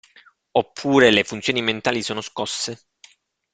Oppure le funzioni mentali sono scosse?